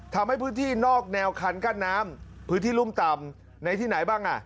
ทำให้พื้นที่นอกแนวคันกั้นน้ำพื้นที่รุ่มต่ำในที่ไหนบ้างอ่ะ